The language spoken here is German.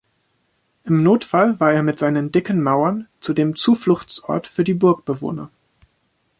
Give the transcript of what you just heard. Im Notfall war er mit seinen dicken Mauern zudem Zufluchtsort für die Burgbewohner.